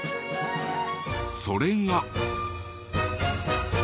それが。